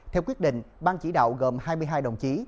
theo quyết định ban chỉ đạo gồm hai mươi hai đồng chí